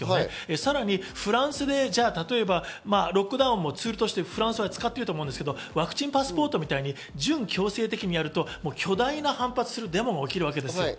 さらにフランスでじゃあ、例えばロックダウンをツールとしてフランスは使っていると思いますけど、ワクチンパスポートみたいに準強制的にやると、巨大な反発をするデモが起きるわけです。